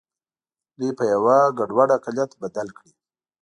دوی په یوه ګډوډ اقلیت بدل کړي.